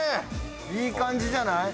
いい感じじゃない？